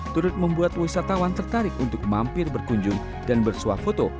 turut membuat wisatawan tertarik untuk mampir berkunjung dan bersuah foto